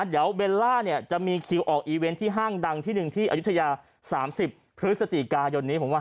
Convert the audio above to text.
เดี๋ยวเบลล่าเนี่ยจะมีคิวออกอีเวนต์ที่ห้างดังที่หนึ่งที่อายุทยา๓๐พฤศจิกายนนี้ผมว่า